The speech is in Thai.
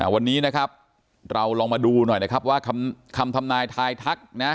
วันนี้นะครับเราลองมาดูหน่อยนะครับว่าคำทำนายทายทักนะ